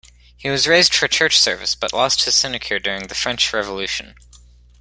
He was raised for church service, but lost his sinecure during the French Revolution.